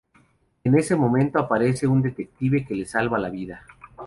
En ese momento aparece un detective, que le salva la vida.